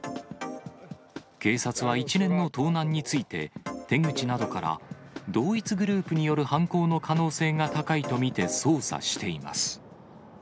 警察は一連の盗難について、手口などから、同一グループによる犯行の可能性が高いと見て、捜査しています。